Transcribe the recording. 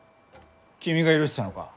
君が許したのか？